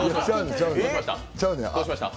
どうしました？